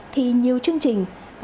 thì nhiều chương trình